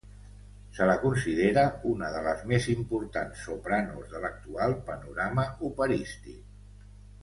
Se la considera una de les més importants sopranos de l'actual panorama operístic.